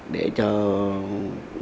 để cho các nhân dân quay lại